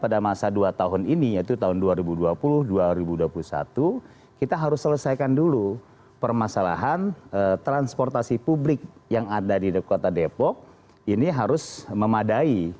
pada masa dua tahun ini yaitu tahun dua ribu dua puluh dua ribu dua puluh satu kita harus selesaikan dulu permasalahan transportasi publik yang ada di kota depok ini harus memadai